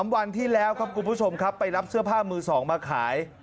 วันที่แล้วครับคุณผู้ชมครับไปรับเสื้อผ้ามือ๒มาขาย